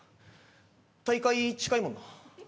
大会、近いもんな。